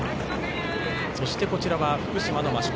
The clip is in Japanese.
そして、福島の増子。